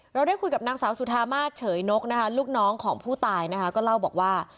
เราได้คุยกับนางสาวสุธามาสเฉยนกนะคะลูกน้องของผู้ตายนะคะก็เล่าบอกว่า